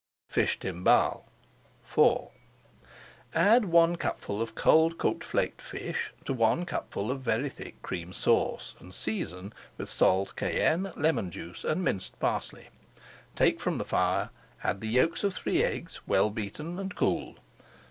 FISH TIMBALE IV Add one cupful of cold cooked flaked fish to one cupful of very thick Cream Sauce and season with salt, cayenne, lemon juice, and minced parsley. Take from the fire, add the yolks of three eggs, well beaten, and cool.